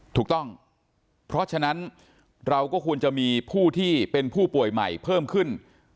ถูกต้องเพราะฉะนั้นเราก็ควรจะมีผู้ที่เป็นผู้ป่วยใหม่เพิ่มขึ้น